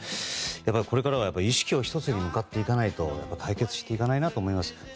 これからは意識を１つに向かっていかないと解決していかないなと思います。